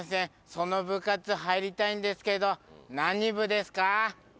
その部活入りたいんですけど何部ですか？